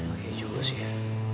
oke juga sih ya